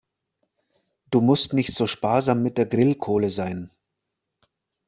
Du musst nicht so sparsam mit der Grillkohle sein.